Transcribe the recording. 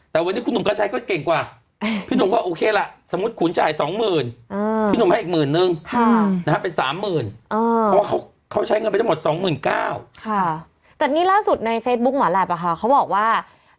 แต่วันนี้คุณหนุ่มก็ใช้ก็เก่งกว่า